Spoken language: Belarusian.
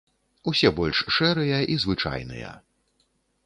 Усе больш шэрыя і звычайныя.